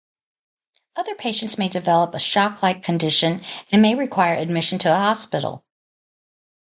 Other patients may develop a shock-like condition and may require admission to a hospital.